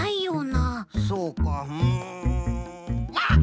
そうかうん。あっ！